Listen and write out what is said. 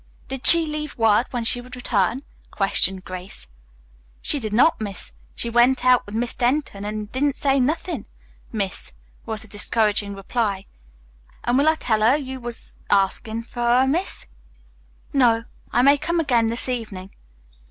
"Did she leave word when she would return?" questioned Grace. "She did not, Miss. She went out with Miss Denton, and didn't say nothin', Miss," was the discouraging reply. "An' will I tell her you was askin' for her, Miss?" "No; I may come again this evening."